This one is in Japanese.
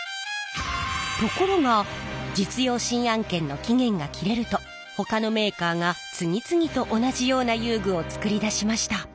ところが実用新案権の期限が切れるとほかのメーカーが次々と同じような遊具を作り出しました。